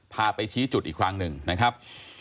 พาไปชี้จุดอีกครั้งหนึ่งนะครับ